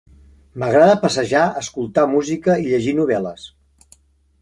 M'agrada passejar, escoltar música i llegir novel·les.